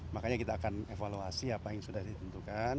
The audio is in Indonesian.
makanya kita akan evaluasi apa yang sudah ditentukan